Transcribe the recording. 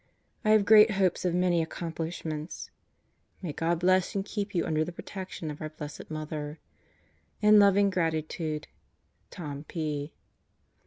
I have great hopes of many accomplishments. May God bless and keep you under the protection of our Bl. Mother. In loving gratitude, Tom P.